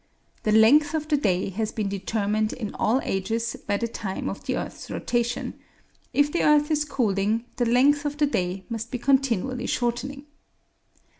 The length of the day has been determined in all ages by the time of the earth's rotation; if the earth is cooling, the length of the day must be continually shortening.